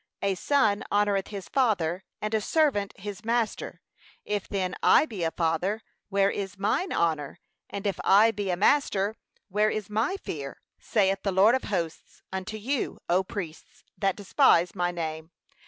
'A son honoureth his father, and a servant his master: if then I be a Father, where is mine honour? and if I be a Master, where is my fear? saith the Lord of hosts, unto you, O priests, that despise my name.